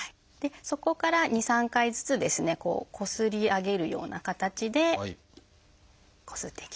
そこから２３回ずつですねこすり上げるような形でこすっていきます。